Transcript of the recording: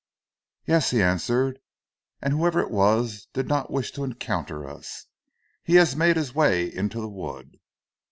"Yes," he answered, "and whoever it was did not wish to encounter us. He has made his way into the wood."